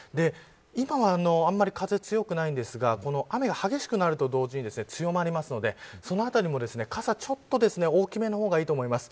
今はあまり風は強くないんですが雨が激しくなると同時に強まりますのでそのあたりも、傘ちょっと大きめの方がいいと思います。